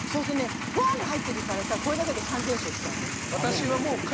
ごはんが入っているからこれだけで完全食さ。